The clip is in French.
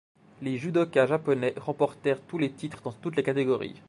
Les judokas japonais remportèrent tous les titres dans toutes les catégories.